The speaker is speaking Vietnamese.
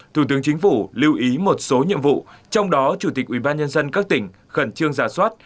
thủ tướng chính phủ lưu ý một số nhiệm vụ trong đó chủ tịch ubnd các tỉnh khẩn trương giả soát